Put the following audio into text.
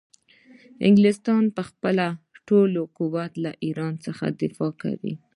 انګلستان به په خپل ټول قوت له ایران څخه دفاع کوي.